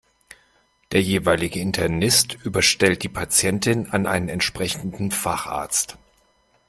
Der jeweilige Internist überstellt die Patientin an einen entsprechenden Facharzt.